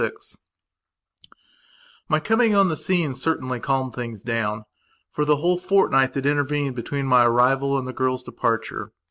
VI MY coming on the scene certainly calmed things downfor the whole fortnight that intervened between my arrival and the girl's departure.